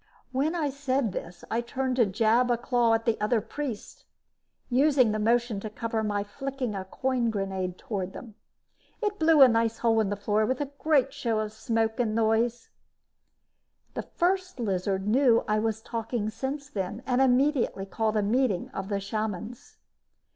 When I said this, I turned to jab a claw at the other priests, using the motion to cover my flicking a coin grenade toward them. It blew a nice hole in the floor with a great show of noise and smoke. The First Lizard knew I was talking sense then and immediately called a meeting of the shamans.